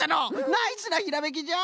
ナイスなひらめきじゃ！